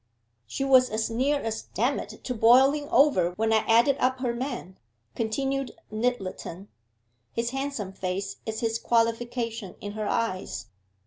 'She was as near as damn it to boiling over when I added up her man,' continued Nyttleton. 'His handsome face is his qualification in her eyes.